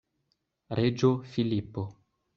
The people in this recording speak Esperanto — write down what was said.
Reĝo Filipo.